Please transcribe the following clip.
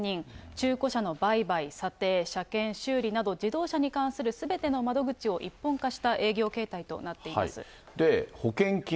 中古車の売買、査定、車検、修理など、自動車に関するすべての窓口を一本化した営業形態となっています。